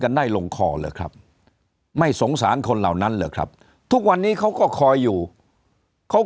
ได้ลงคอเหรอครับไม่สงสารคนเหล่านั้นเหรอครับทุกวันนี้เขาก็คอยอยู่เขา